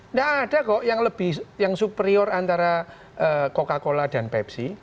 nggak ada kok yang lebih yang superior antara coca cola dan pepsi